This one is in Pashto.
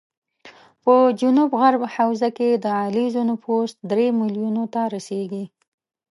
په جنوب غرب حوزه کې د علیزو نفوس درې ملیونو ته رسېږي